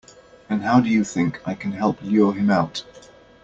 And how do you think I can help lure him out?